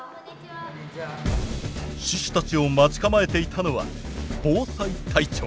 志士たちを待ち構えていたのは防災隊長！